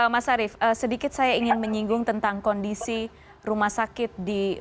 mas arief sedikit saya ingin menyinggung tentang kondisi rumah sakit di